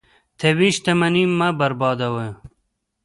طبیعي شتمنۍ مه بربادوه.